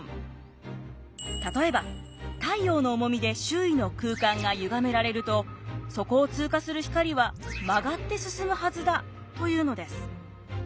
例えば太陽の重みで周囲の空間がゆがめられるとそこを通過する光は曲がって進むはずだというのです。